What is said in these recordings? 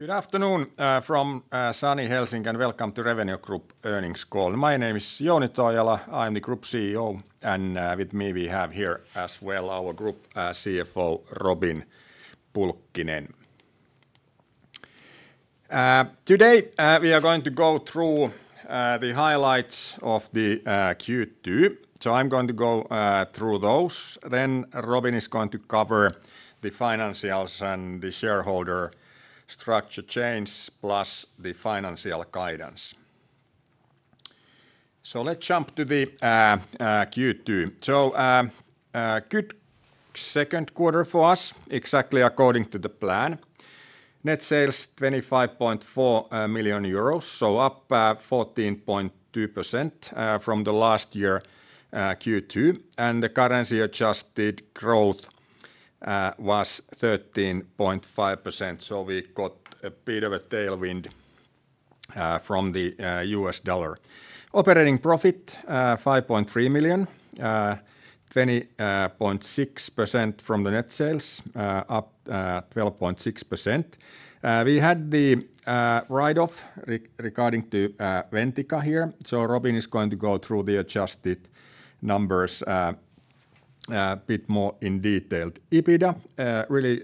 Good afternoon from sunny Helsinki, and welcome to Revenio Group Earnings Call. My name is Jouni Toijala. I'm the Group CEO, and with me, we have here as well our Group CFO, Robin Pulkkinen. Today we are going to go through the highlights of the Q2. So I'm going to go through those, then Robin is going to cover the financials and the shareholder structure change, plus the financial guidance. So let's jump to the Q2. So good second quarter for us, exactly according to the plan. Net sales, 25.4 million euros, so up 14.2% from last year's Q2, and the currency-adjusted growth was 13.5%, so we got a bit of a tailwind from the U.S. dollar. Operating profit, 5.3 million, 20.6% of net sales, up 12.6%. We had the write-off regarding Ventica here, so Robin is going to go through the adjusted numbers a bit more in detail. EBITDA really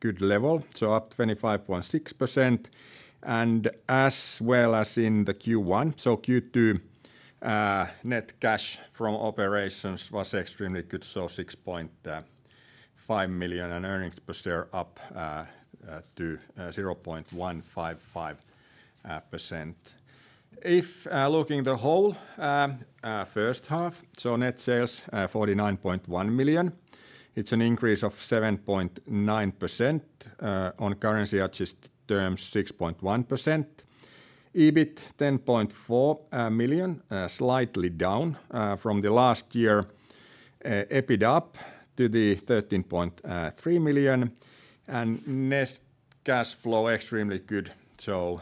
good level, so up 25.6%, and as well as in the Q1, so Q2 net cash from operations was extremely good, so 6.5 million, and earnings per share up to 0.155%. If looking the whole first half, so net sales 49.1 million, it's an increase of 7.9%, on currency adjusted terms, 6.1%. EBIT, 10.4 million, slightly down from the last year. EBITDA up to 13.3 million, and net cash flow extremely good, so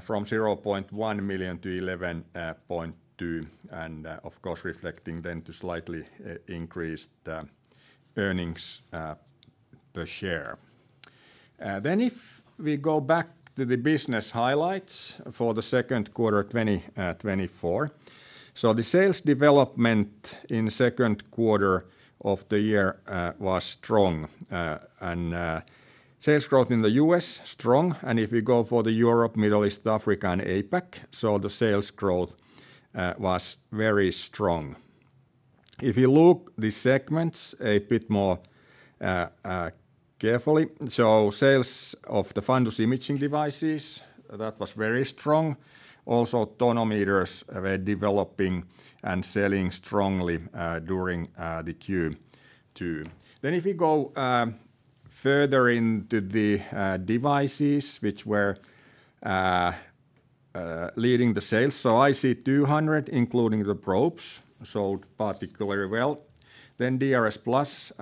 from 0.1 million-11.2 million, and of course, reflecting then to slightly increased earnings per share. Then if we go back to the business highlights for the second quarter 2024. So the sales development in second quarter of the year was strong, and sales growth in the U.S., strong, and if we go for the Europe, Middle East, Africa, and APAC, so the sales growth was very strong. If you look the segments a bit more carefully, so sales of the fundus imaging devices, that was very strong. Also, tonometers were developing and selling strongly during the Q2. Then if we go further into the devices which were leading the sales, so IC200, including the probes, sold particularly well. Then DRSplus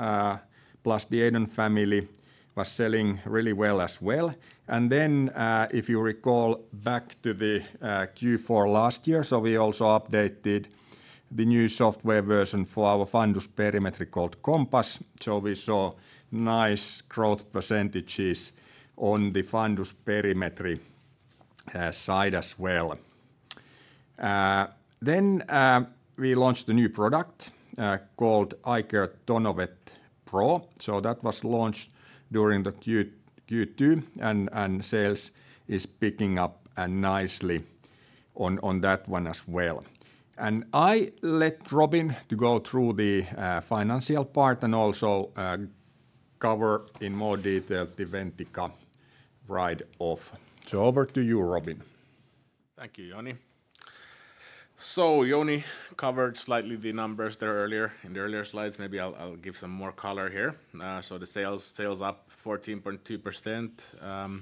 plus the EIDON family was selling really well as well. And then if you recall back to the Q4 last year, so we also updated the new software version for our fundus perimetry called COMPASS. So we saw nice growth percentages on the fundus perimetry side as well. Then we launched a new product called iCare TonoVet Pro. So that was launched during the Q2, and sales is picking up nicely on that one as well. And I let Robin to go through the financial part and also cover in more detail the Ventica write-off. Over to you, Robin. Thank you, Jouni. So Jouni covered slightly the numbers there earlier, in the earlier slides. Maybe I'll, I'll give some more color here. So the sales, sales up 14.2%,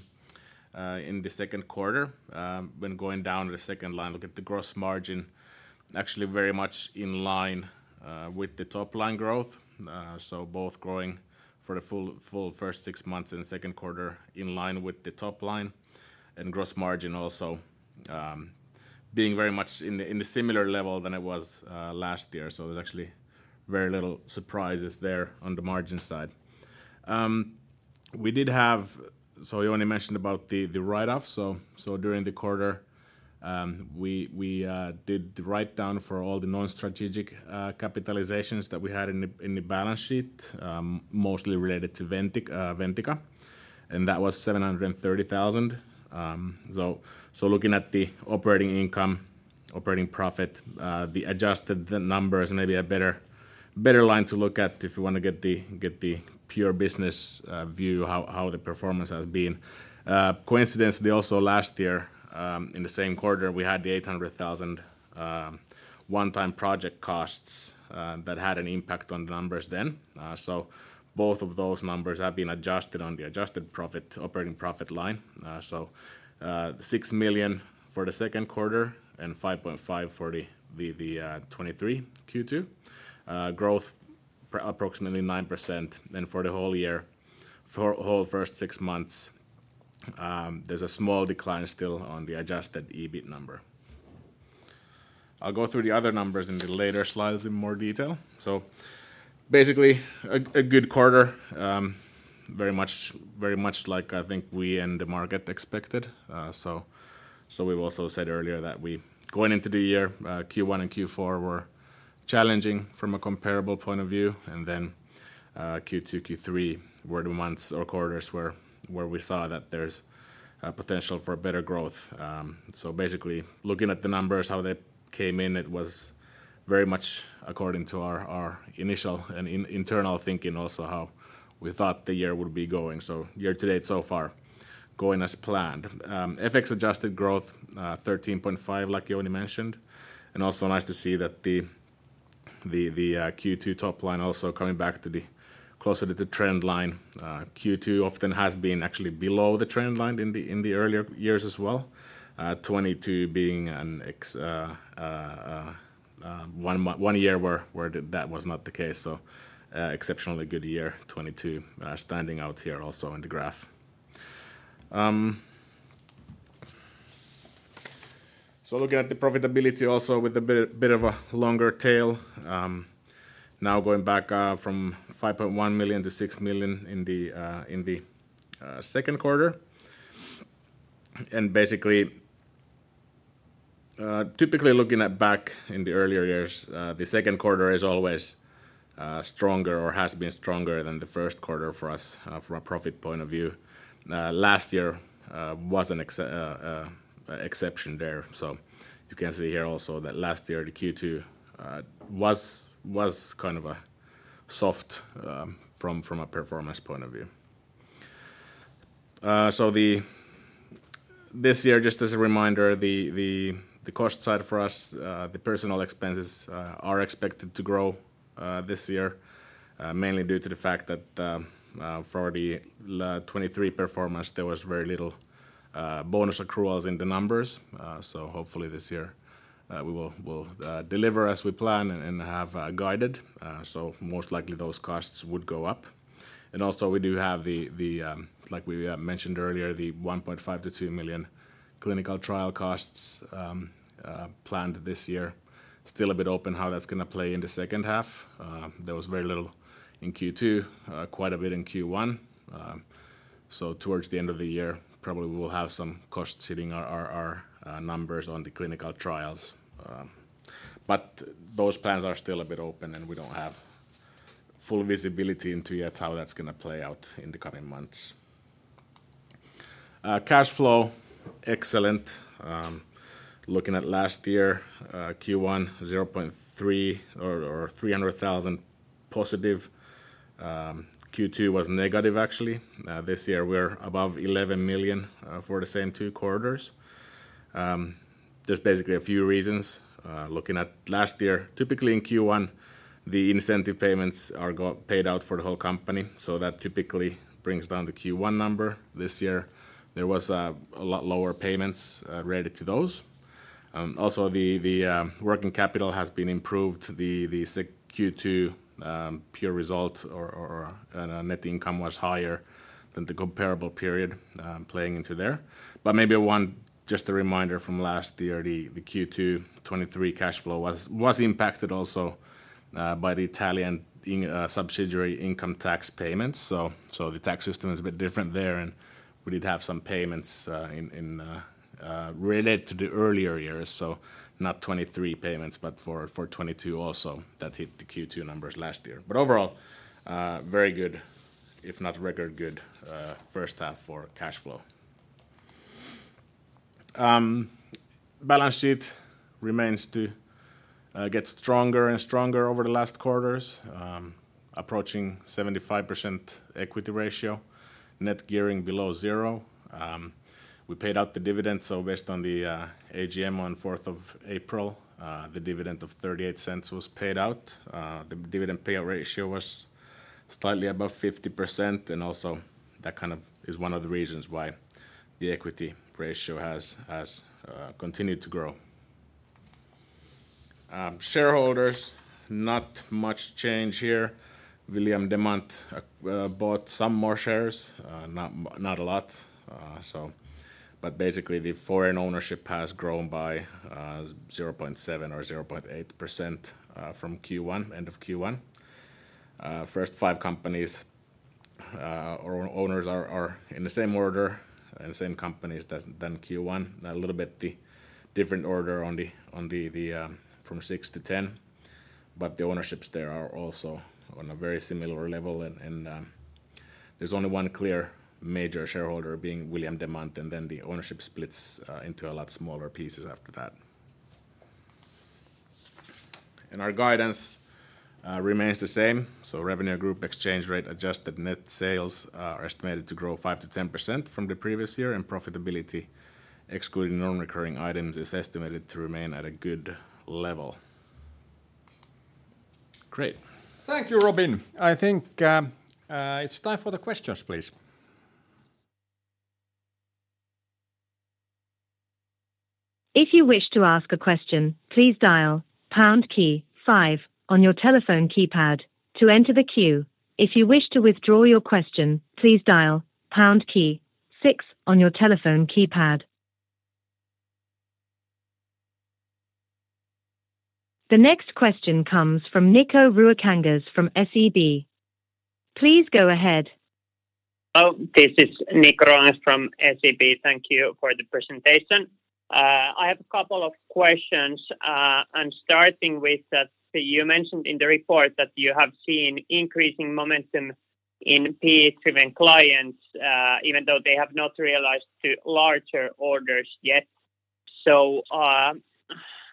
in the second quarter. When going down to the second line, look at the gross margin, actually very much in line, with the top-line growth. So both growing for the full, full first six months and second quarter in line with the top line, and gross margin also, being very much in the, in the similar level than it was, last year. So there's actually very little surprises there on the margin side. We did have... So Jouni mentioned about the, the write-off. So during the quarter, we did the write-down for all the non-strategic capitalizations that we had in the balance sheet, mostly related to Ventica, and that was 730,000. So looking at the operating income, operating profit, the adjusted numbers, maybe a better line to look at if you wanna get the pure business view, how the performance has been. Coincidentally, also last year, in the same quarter, we had the 800,000 one-time project costs that had an impact on the numbers then. So both of those numbers have been adjusted on the adjusted operating profit line. So 6 million for the second quarter and 5.5 million for the 2023 Q2. Growth approximately 9%, and for the whole year, for whole first six months, there's a small decline still on the adjusted EBIT number. I'll go through the other numbers in the later slides in more detail. So basically, a good quarter, very much, very much like I think we and the market expected. So, so we've also said earlier that we going into the year, Q1 and Q4 were challenging from a comparable point of view, and then, Q2, Q3 were the months or quarters where, where we saw that there's potential for better growth. So basically, looking at the numbers, how they came in, it was very much according to our initial and internal thinking also, how we thought the year would be going. So year to date, so far, going as planned. FX-adjusted growth, 13.5, like Jouni mentioned, and also nice to see that the Q2 top line also coming back to closer to the trend line. Q2 often has been actually below the trend line in the earlier years as well. 2022 being an exception, one year where that was not the case, so exceptionally good year, 2022, standing out here also on the graph. So looking at the profitability also with a bit of a longer tail, now going back from 5.1 million-6 million in the second quarter. Basically, typically looking back in the earlier years, the second quarter is always stronger or has been stronger than the first quarter for us, from a profit point of view. Last year was an exception there. So you can see here also that last year, the Q2 was kind of a soft from a performance point of view. So this year, just as a reminder, the cost side for us, the personnel expenses, are expected to grow this year mainly due to the fact that for the 2023 performance, there was very little bonus accruals in the numbers. So hopefully this year, we will deliver as we plan and have guided. So most likely those costs would go up. And also we do have the, like we mentioned earlier, the 1.5 million-2 million clinical trial costs, planned this year. Still a bit open, how that's gonna play in the second half. There was very little in Q2, quite a bit in Q1. So towards the end of the year, probably we will have some costs hitting our numbers on the clinical trials. But those plans are still a bit open, and we don't have full visibility into yet how that's gonna play out in the coming months. Cash flow, excellent. Looking at last year, Q1, 0.3 or 300,000+. Q2 was negative, actually. This year we're above 11 million, for the same two quarters. There's basically a few reasons. Looking at last year, typically in Q1, the incentive payments are paid out for the whole company, so that typically brings down the Q1 number. This year, there was a lot lower payments related to those. Also the working capital has been improved. The Q2 pure result or net income was higher than the comparable period, playing into there. But maybe one, just a reminder from last year, the Q2 2023 cash flow was impacted also by the Italian subsidiary income tax payments. So the tax system is a bit different there, and we did have some payments related to the earlier years. So not 2023 payments, but for 2022 also. That hit the Q2 numbers last year. But overall, very good, if not record good, first half for cash flow. Balance sheet remains to get stronger and stronger over the last quarters, approaching 75% equity ratio, net gearing below zero. We paid out the dividends, so based on the AGM on fourth of April, the dividend of 0.38 was paid out. The dividend payout ratio was slightly above 50%, and also that kind of is one of the reasons why the equity ratio has continued to grow. Shareholders, not much change here. William Demant bought some more shares, not a lot, so... But basically, the foreign ownership has grown by 0.7% or 0.8% from Q1, end of Q1. First five companies or owners are in the same order and same companies that than Q1. A little bit the different order on the from 6-10, but the ownerships there are also on a very similar level, there's only one clear major shareholder being William Demant, and then the ownership splits into a lot smaller pieces after that. Our guidance remains the same. So Revenio Group exchange rate adjusted net sales are estimated to grow 5%-10% from the previous year, and profitability, excluding non-recurring items, is estimated to remain at a good level. Great. Thank you, Robin. I think it's time for the questions, please. If you wish to ask a question, please dial pound key five on your telephone keypad to enter the queue. If you wish to withdraw your question, please dial pound key two.... six on your telephone keypad. The next question comes from Niko Ruokangas from SEB. Please go ahead. Oh, this is Niko Ruokangas from SEB. Thank you for the presentation. I have a couple of questions, and starting with that, you mentioned in the report that you have seen increasing momentum in PE-driven clients, even though they have not realized to larger orders yet. So,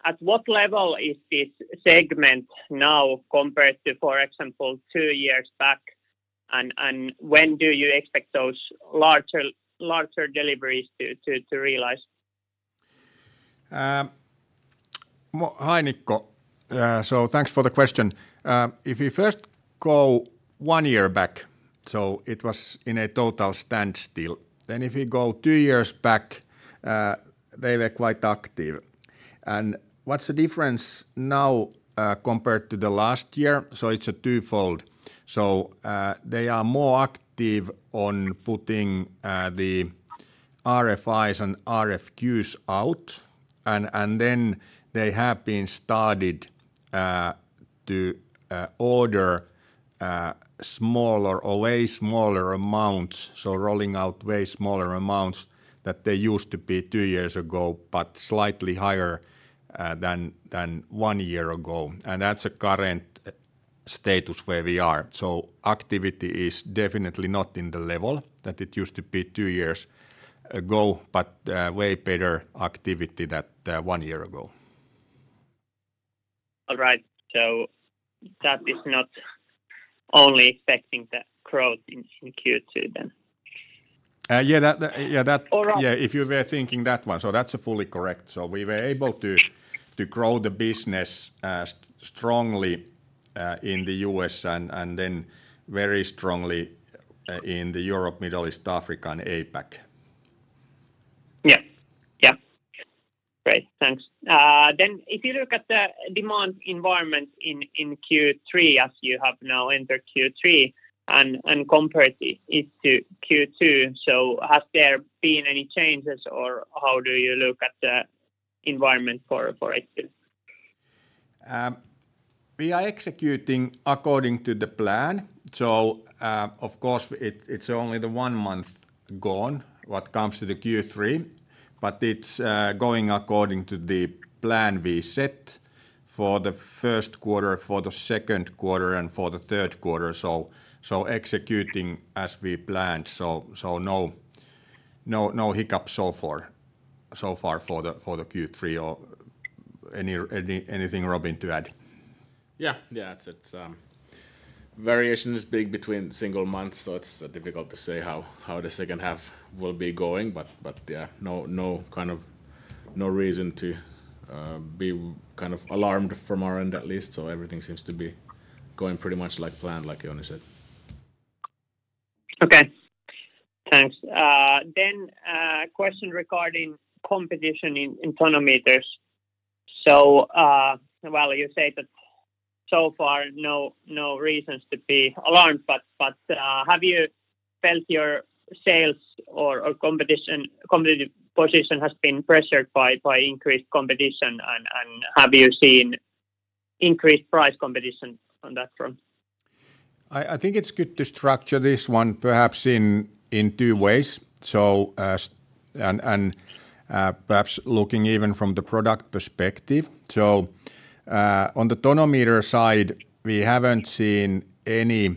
at what level is this segment now compared to, for example, two years back? And when do you expect those larger deliveries to realize? Hi, Niko. So thanks for the question. If you first go one year back, so it was in a total standstill. Then if you go two years back, they were quite active. And what's the difference now, compared to the last year? So it's a twofold. So, they are more active on putting the RFIs and RFQs out, and then they have been started to order smaller or way smaller amounts. So rolling out way smaller amounts that they used to be two years ago, but slightly higher than one year ago. And that's a current status where we are. So activity is definitely not in the level that it used to be two years ago, but way better activity than one year ago. All right. So that is not only affecting the growth in Q2, then? Yeah, that- Or- Yeah, if you were thinking that one, so that's fully correct. So we were able to to grow the business strongly in the U.S. and then very strongly in the Europe, Middle East, Africa, and APAC. Yeah. Yeah. Great, thanks. Then if you look at the demand environment in Q3, as you have now entered Q3, and compare it to Q2, so has there been any changes, or how do you look at the environment for H2? We are executing according to the plan. So, of course, it's only the one month gone, what comes to the Q3, but it's going according to the plan we set for the first quarter, for the second quarter, and for the third quarter, so executing as we planned. So no hiccups so far for the Q3 or anything. Robin to add? Yeah. Yeah, it's variation is big between single months, so it's difficult to say how the second half will be going. But yeah, no kind of reason to be kind of alarmed from our end at least. So everything seems to be going pretty much like planned, like Jouni said. Okay, thanks. Then, a question regarding competition in tonometers. So, well, you say that so far, no reasons to be alarmed, but have you felt your sales or competitive position has been pressured by increased competition? And have you seen increased price competition on that front? I think it's good to structure this one perhaps in two ways. So, perhaps looking even from the product perspective. So, on the tonometer side, we haven't seen any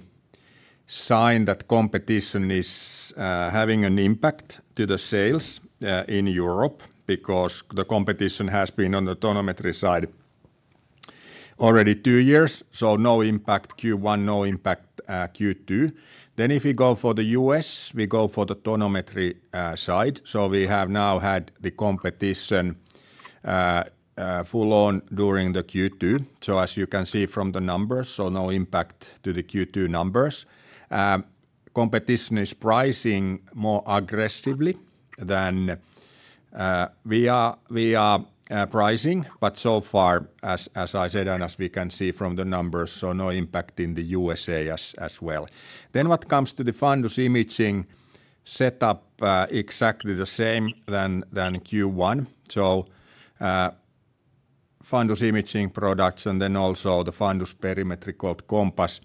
sign that competition is having an impact to the sales in Europe, because the competition has been on the tonometry side already two years, so no impact Q1, no impact Q2. Then if we go for the U.S., we go for the tonometry side. So we have now had the competition full on during the Q2. So as you can see from the numbers, so no impact to the Q2 numbers. Competition is pricing more aggressively than we are pricing, but so far, as I said, and as we can see from the numbers, so no impact in the U.S.A. as well. Then what comes to the fundus imaging setup, exactly the same than Q1. So, fundus imaging products and then also the fundus perimetry called Compass.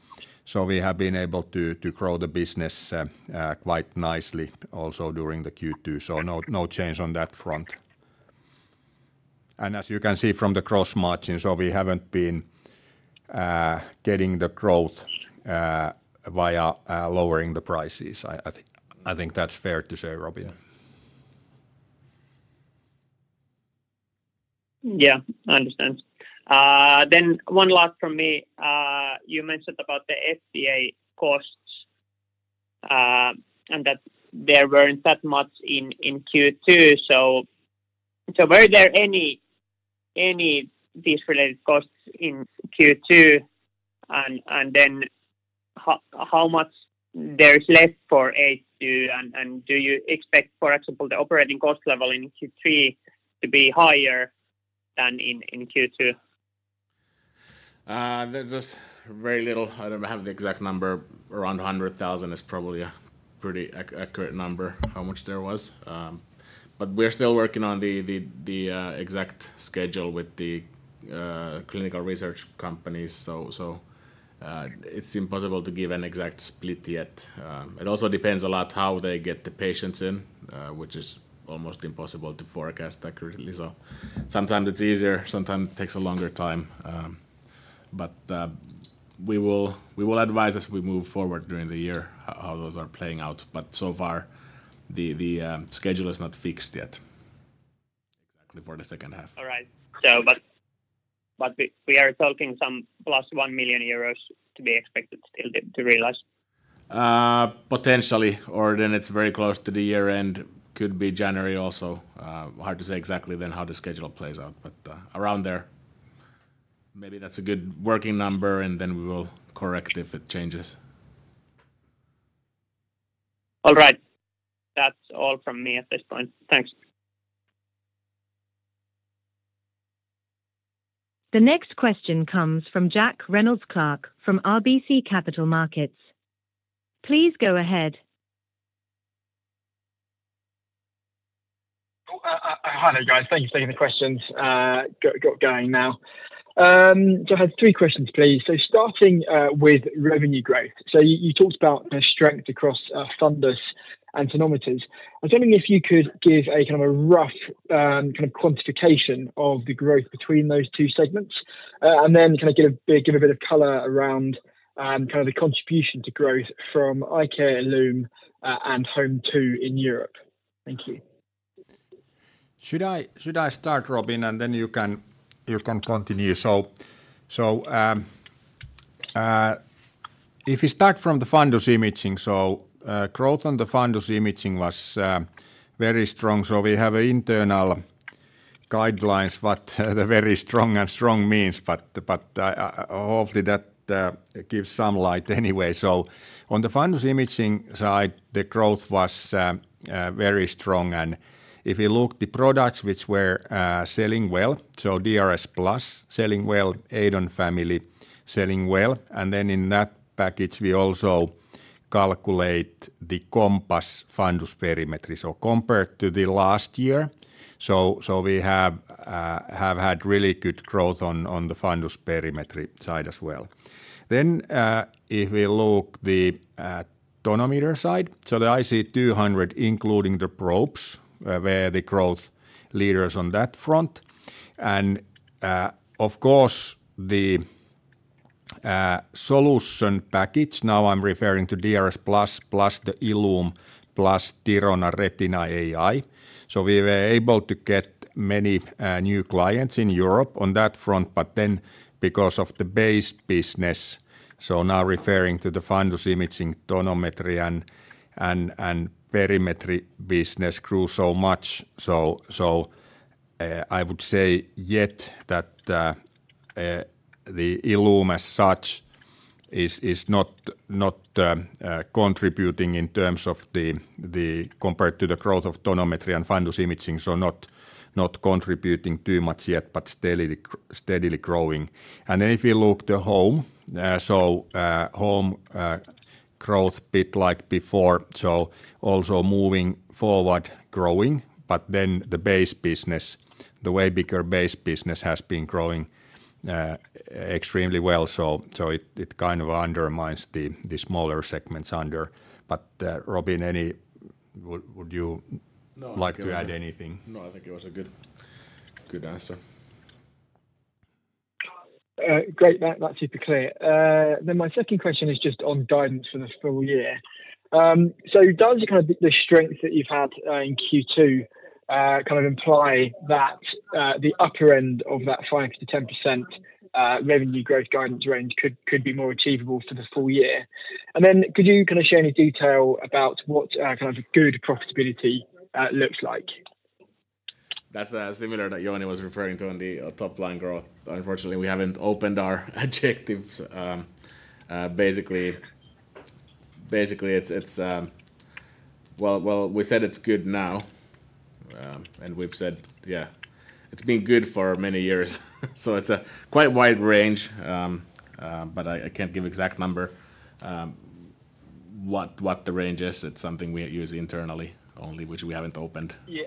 So we have been able to grow the business quite nicely also during the Q2. So no change on that front. And as you can see from the gross margin, so we haven't been getting the growth via lowering the prices. I think that's fair to say, Robin. Yeah, I understand. Then one last from me. You mentioned about the FDA costs, and that there weren't that much in Q2. So were there any these related costs in Q2, and then how much there is less for H2? And do you expect, for example, the operating cost level in Q3 to be higher than in Q2?... There's just very little, I don't have the exact number. Around 100,000 is probably a pretty accurate number, how much there was. But we're still working on the exact schedule with the clinical research companies. So it's impossible to give an exact split yet. It also depends a lot how they get the patients in, which is almost impossible to forecast accurately. So sometimes it's easier, sometimes it takes a longer time. But we will advise as we move forward during the year how those are playing out. But so far, the schedule is not fixed yet exactly for the second half. All right. So but we are talking some plus 1 million euros to be expected still to realize? Potentially, or then it's very close to the year end, could be January also. Hard to say exactly then how the schedule plays out, but, around there. Maybe that's a good working number, and then we will correct if it changes. All right. That's all from me at this point. Thanks. The next question comes from Jack Reynolds-Clark from RBC Capital Markets. Please go ahead. Hi there, guys. Thank you for taking the questions. Got going now. So I have three questions, please. So starting with revenue growth. So you talked about the strength across fundus and tonometers. I was wondering if you could give a kind of a rough kind of quantification of the growth between those two segments, and then kind of give a bit, give a bit of color around kind of the contribution to growth from iCare and ILLUME, and HOME2 in Europe. Thank you. Should I start, Robin, and then you can continue? So, if we start from the fundus imaging, growth on the fundus imaging was very strong. So we have internal guidelines what the very strong and strong means, but hopefully that gives some light anyway. So on the fundus imaging side, the growth was very strong. And if you look the products which were selling well, so DRSplus selling well, EIDON family selling well, and then in that package we also calculate the Compass fundus perimetry. So compared to the last year, so we have had really good growth on the fundus perimetry side as well. Then, if we look the tonometer side, so the IC200, including the probes, were the growth leaders on that front. And, of course, the solution package, now I'm referring to DRSplus plus the Illume, plus Thirona Retina AI. So we were able to get many new clients in Europe on that front, but then because of the base business, so now referring to the fundus imaging, tonometry and perimetry business grew so much, so I would say yet that the Illume as such is not contributing in terms of the compared to the growth of tonometry and fundus imaging, so not contributing too much yet, but steadily growing. And then if you look the Home, so Home growth bit like before, so also moving forward, growing, but then the base business, the way bigger base business has been growing extremely well. So it kind of undermines the smaller segments under. But Robin, any... Would you- No, I think it was- like to add anything? No, I think it was a good, good answer. Great. That's super clear. Then my second question is just on guidance for the full year. So does the kind of strength that you've had in Q2 kind of imply that the upper end of that 5%-10% revenue growth guidance range could be more achievable for the full year? And then could you kind of share any detail about what kind of good profitability looks like? That's similar that Jouni was referring to on the top line growth. Unfortunately, we haven't opened our objectives. Basically, it's... Well, we said it's good now, and we've said, yeah, it's been good for many years. So it's a quite wide range, but I can't give exact number what the range is. It's something we use internally only, which we haven't opened. Yeah.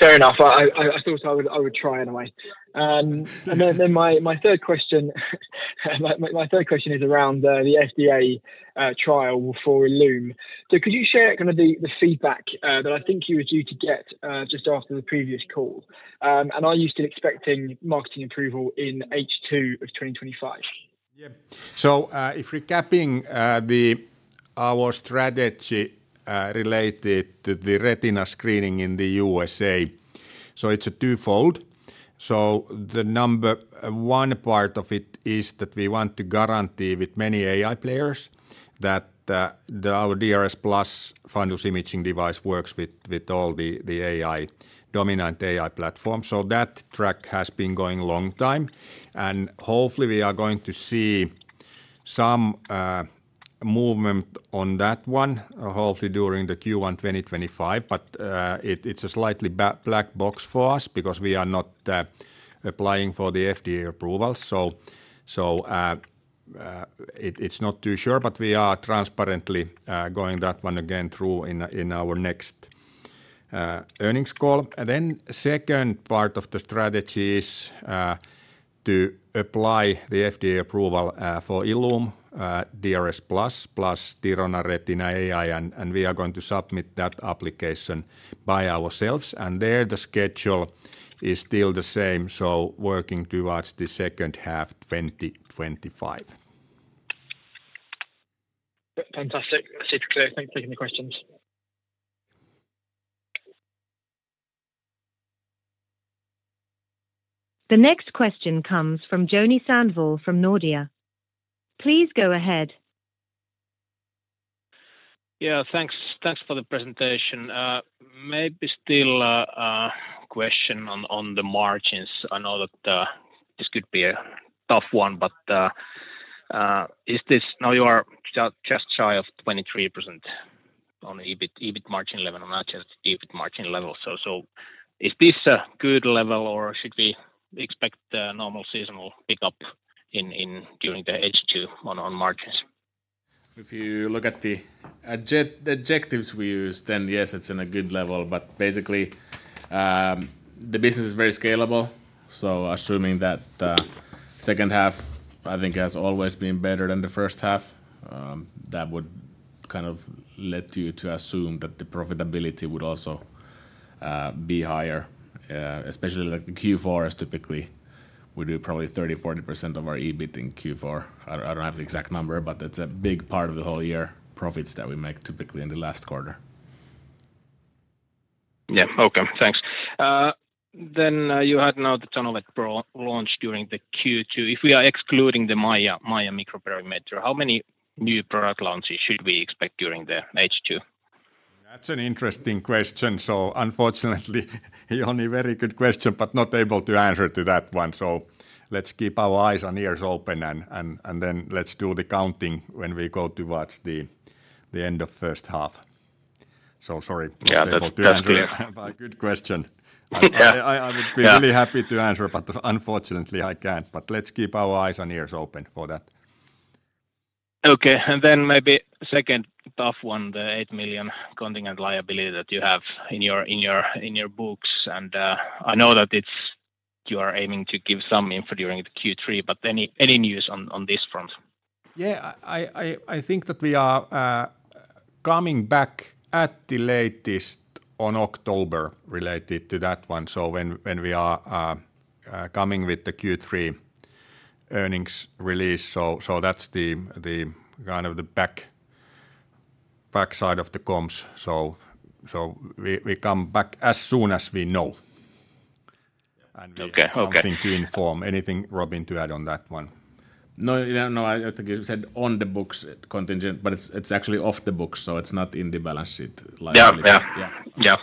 Fair enough. I thought I would try anyway. And then my third question is around the FDA trial for Illume. So could you share kind of the feedback that I think you were due to get just after the previous call? And are you still expecting marketing approval in H2 of 2025? Yeah. So, if recapping, our strategy related to the retina screening in the U.S.A., so it's a twofold. So the number one part of it is that we want to guarantee with many AI players that our DRS Plus fundus imaging device works with all the AI-dominant AI platform. So that track has been going a long time, and hopefully, we are going to see some movement on that one, hopefully during the Q1 2025. But it, it's a slightly black box for us because we are not applying for the FDA approval. So it, it's not too sure, but we are transparently going that one again through in our next earnings call. And then second part of the strategy is, to apply the FDA approval, for Illume, DRSplus, plus the Thirona Retina AI, and we are going to submit that application by ourselves. There, the schedule is still the same, so working towards the second half 2025. Fantastic. Super clear. Thanks for taking the questions. The next question comes from Joni Sandvall from Nordea. Please go ahead. Yeah, thanks. Thanks for the presentation. Maybe still a question on the margins. I know that this could be a tough one, but is this... Now you are just shy of 23% on EBIT, EBIT margin level, not just EBIT margin level. So is this a good level, or should we expect a normal seasonal pickup during the H2 on margins? If you look at the objectives we use, then yes, it's in a good level. But basically, the business is very scalable. So assuming that second half, I think, has always been better than the first half, that would kind of led you to assume that the profitability would also be higher. Especially like the Q4 is typically we do probably 30%-40% of our EBIT in Q4. I don't, I don't have the exact number, but that's a big part of the whole year profits that we make typically in the last quarter. Yeah, okay. Thanks. Then, you had now the Tonovet Pro launch during the Q2. If we are excluding the MAIA microperimeter, how many new product launches should we expect during the H2? That's an interesting question. So unfortunately, Joni, very good question, but not able to answer to that one. So let's keep our eyes and ears open, and then let's do the counting when we go towards the end of first half. So sorry- Yeah, that, that's clear. Not able to answer, but good question. Yeah. I would be- Yeah... really happy to answer, but unfortunately, I can't. But let's keep our eyes and ears open for that. Okay. And then maybe second tough one, the 8 million contingent liability that you have in your books, and I know that it's you are aiming to give some info during the Q3, but any news on this front? Yeah, I think that we are coming back at the latest on October related to that one. So when we are coming with the Q3 earnings release. So that's the kind of the back side of the comms. So we come back as soon as we know- Okay. Okay... and we continue to inform. Anything, Robin, to add on that one? No, yeah, no, I think you said on the books contingent, but it's, it's actually off the books, so it's not in the balance sheet liability. Yeah. Yeah. Yeah.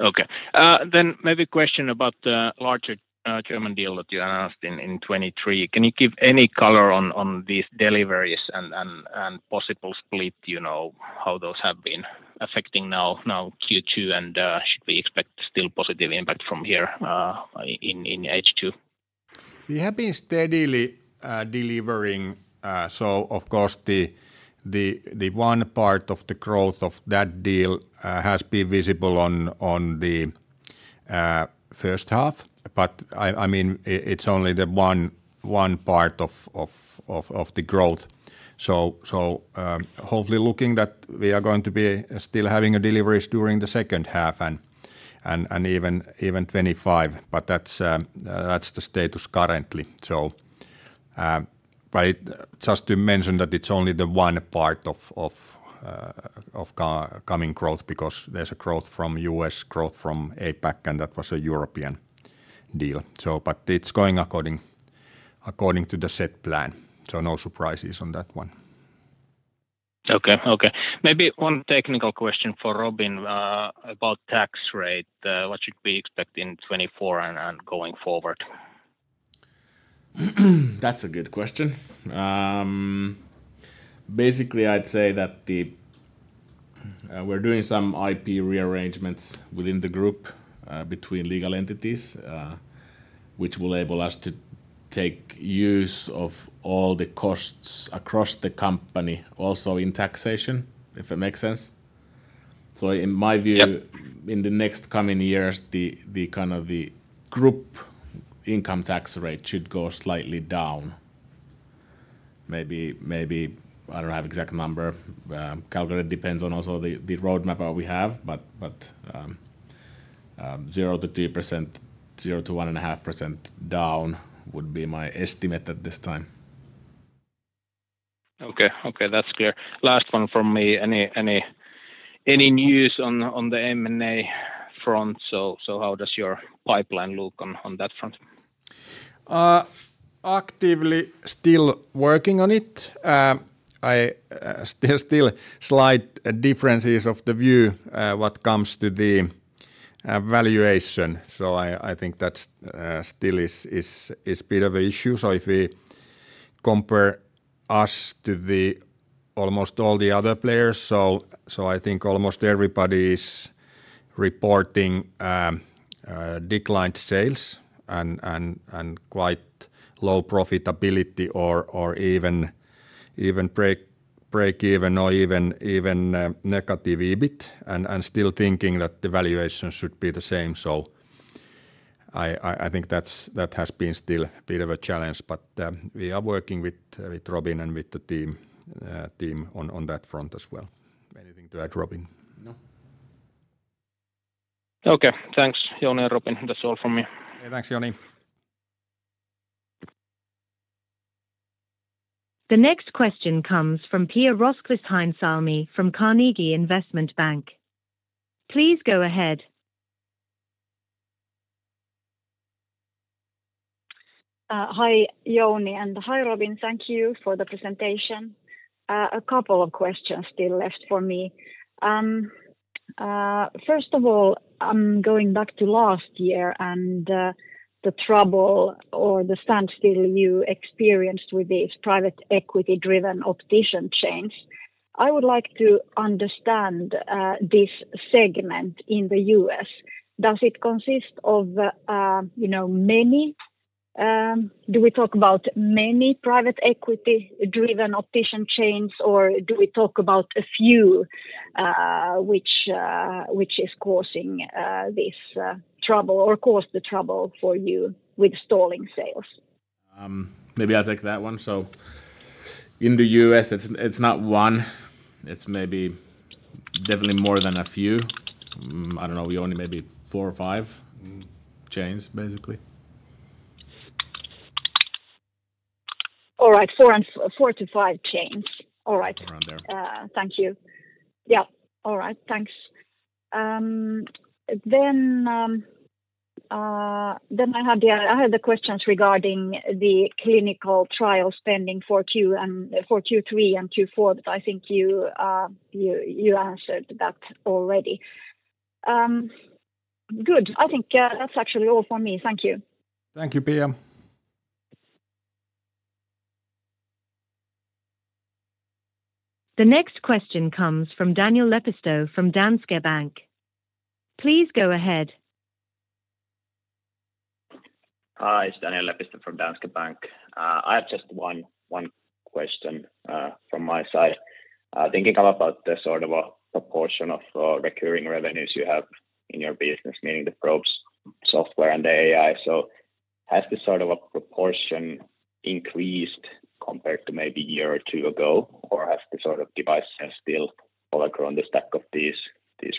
Yeah. Okay, maybe a question about the larger German deal that you announced in 2023. Can you give any color on these deliveries and possible split, you know, how those have been affecting now Q2? Should we expect still positive impact from here in H2? We have been steadily delivering, so of course, the one part of the growth of that deal has been visible on the first half. But I mean, it's only the one part of the growth. So, hopefully looking that we are going to be still having deliveries during the second half and even 2025, but that's the status currently. So, but just to mention that it's only the one part of coming growth, because there's a growth from U.S., growth from APAC, and that was a European deal. So but it's going according to the set plan, so no surprises on that one. Okay. Okay. Maybe one technical question for Robin, about tax rate. What should we expect in 2024 and, and going forward? That's a good question. Basically, I'd say that we're doing some IP rearrangements within the group, between legal entities, which will enable us to take use of all the costs across the company, also in taxation, if it makes sense. So in my view- Yep... in the next coming years, the group income tax rate should go slightly down. Maybe, I don't have exact number, calculate depends on also the roadmap that we have, but, 0%-2%, 0%-1.5% down would be my estimate at this time. Okay, that's clear. Last one from me: Any news on the M&A front? So, how does your pipeline look on that front? Actively still working on it. I, there's still slight differences of the view what comes to the valuation. So I think that's still a bit of an issue. So if we compare us to almost all the other players, so I think almost everybody is reporting declined sales and quite low profitability or even break even, or even negative EBIT and still thinking that the valuation should be the same. So I think that's what has been still a bit of a challenge. But we are working with Robin and the team on that front as well. Anything to add, Robin? No. Okay. Thanks, Jouni and Robin. That's all from me. Yeah, thanks, Joni. The next question comes from Pia Rosqvist-Heinsalmi from Carnegie Investment Bank. Please go ahead. Hi, Jouni, and hi, Robin. Thank you for the presentation. A couple of questions still left for me. First of all, I'm going back to last year and the trouble or the standstill you experienced with the private equity-driven optician chains. I would like to understand this segment in the U.S. Does it consist of you know Do we talk about many private equity-driven optician chains, or do we talk about a few which which is causing this trouble or caused the trouble for you with stalling sales? Maybe I'll take that one. So in the U.S. it's, it's not one, it's maybe definitely more than a few. Mm-hmm. I don't know, we only maybe four or five- Mm-hmm... chains, basically. All right, four and four to five chains. All right. Around there. Thank you. Yeah. All right, thanks. Then I had the questions regarding the clinical trial spending for Q and for Q3 and Q4, but I think you answered that already. Good. I think that's actually all for me. Thank you. Thank you, Pia. The next question comes from Daniel Lepistö from Danske Bank. Please go ahead. Hi, it's Daniel Lepistö from Danske Bank. I have just one question from my side. Thinking about the sort of a proportion of recurring revenues you have in your business, meaning the probes, software, and the AI. So has this sort of a proportion increased compared to maybe a year or two ago? Or has the sort of devices still overgrown the stack of these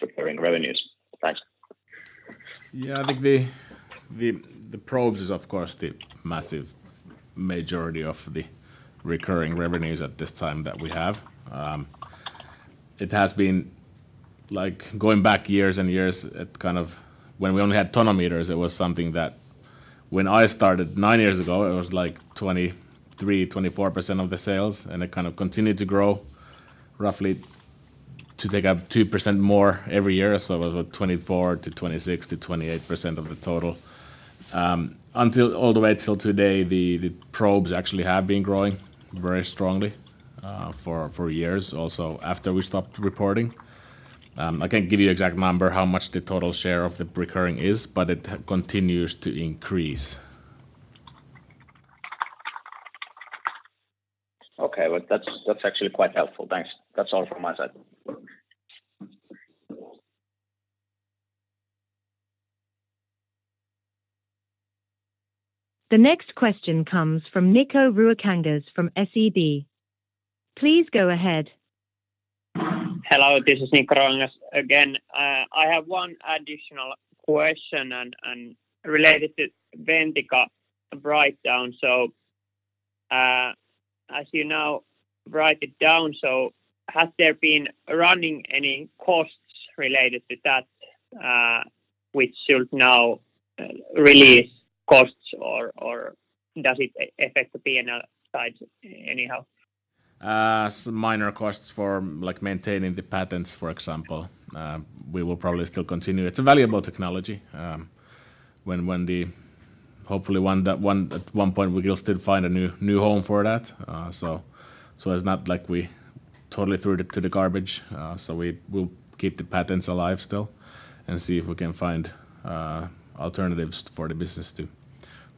recurring revenues? Thanks. Yeah, I think the probes is, of course, the massive majority of the recurring revenues at this time that we have. It has been, like, going back years and years, it kind of... When we only had tonometers, it was something that when I started nine years ago, it was like 23, 24% of the sales, and it kind of continued to grow roughly to take up 2% more every year. So about 24%-26% -28% of the total. Until all the way till today, the probes actually have been growing very strongly, for years, also after we stopped reporting. I can't give you exact number, how much the total share of the recurring is, but it continues to increase. Okay. Well, that's, that's actually quite helpful. Thanks. That's all from my side. The next question comes from Niko Ruokangas from SEB. Please go ahead. Hello, this is Niko Ruokangas. Again, I have one additional question and, and related to Ventica write down. So, as you now write it down, so has there been running any costs related to that, which should now, release costs? Or, or does it affect the P&L side anyhow? Some minor costs for, like, maintaining the patents, for example. We will probably still continue. It's a valuable technology. Hopefully, one day, at one point, we will still find a new home for that. So it's not like we totally threw it to the garbage. So we will keep the patents alive still and see if we can find alternatives for the business to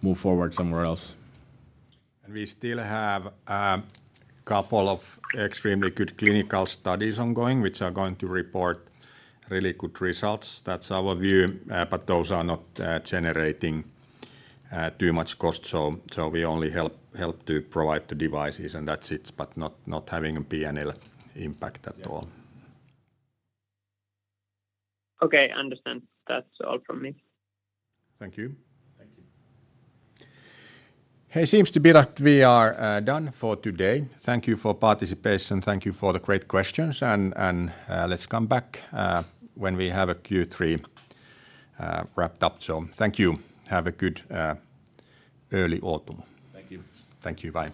move forward somewhere else. We still have a couple of extremely good clinical studies ongoing, which are going to report really good results. That's our view, but those are not generating too much cost, so we only help to provide the devices and that's it, but not having a P&L impact at all. Yeah. Okay, understand. That's all from me. Thank you. Thank you. It seems to be that we are done for today. Thank you for participation. Thank you for the great questions, and, and, let's come back when we have a Q3 wrapped up. So thank you. Have a good early autumn. Thank you. Thank you. Bye.